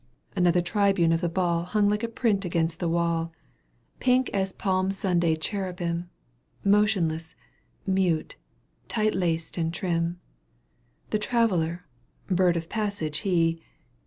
Another tribune of the ЪаД Hung like a print against the wall, Pink as Palm Sunday cherubim,®* Motionless, mute, tight laced and trim. The traveller, bird of passage he.